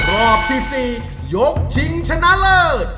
รอบที่๔ยกชิงชนะเลิศ